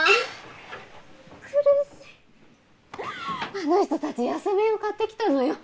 あの人たち安瓶を買ってきたのよ。